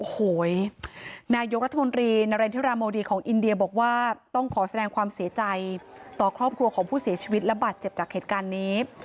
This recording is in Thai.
โอ้โหนายกรัฐมนตรีนาเรนธิราโมดีของอินเดียบอกว่าต้องขอแสดงความเสียใจต่อครอบครัวของผู้เสียชีวิตและบาดเจ็บจากเหตุการณ์นี้